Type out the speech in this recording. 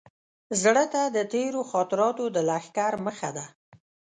زړه ته د تېرو خاطراتو د لښکر مخه ده.